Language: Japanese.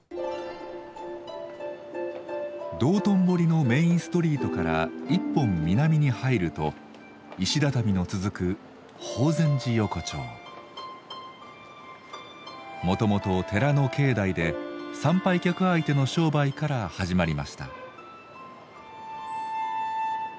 道頓堀のメインストリートから一本南に入ると石畳の続くもともと寺の境内で参拝客相手の商売から始まりました。